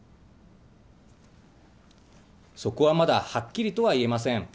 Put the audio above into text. そこはまだはっきりとは言えません。